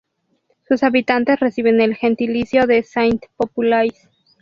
Sus habitantes reciben el gentilicio de "Saint-Papoulais".